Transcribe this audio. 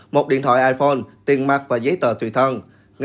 một điện thoại iphone tiền mặt và giấy tờ tùy thân